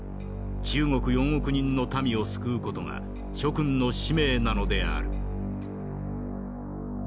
中国４億人の民を救う事が諸君の使命なのである」。